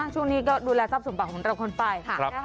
ช่วงนี้ก็ดูแลทรัพย์สมบัติของเราคนไป